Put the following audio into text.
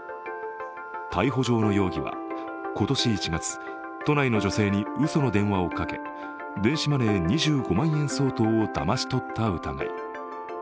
逮捕状の容疑は今年１月、都内の女性にうその電話をかけ電子マネー２５万円相当をだまし取った疑い。